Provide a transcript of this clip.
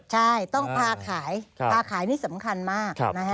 ใช่ต้องพาขายพาขายนี่สำคัญมากนะฮะ